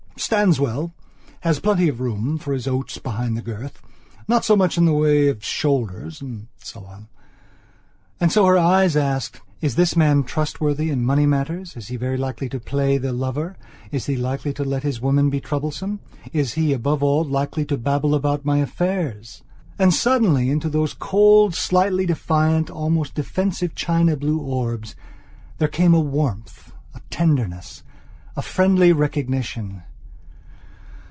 "Stands well; has plenty of room for his oats behind the girth. Not so much in the way of shoulders," and so on. And so her eyes asked: "Is this man trustworthy in money matters; is he likely to try to play the lover; is he likely to let his women be troublesome? Is he, above all, likely to babble about my affairs?" And, suddenly, into those cold, slightly defiant, almost defensive china blue orbs, there came a warmth, a tenderness, a friendly recognition...